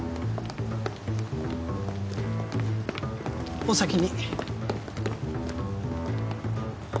お先に。